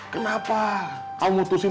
kenapa kau putusin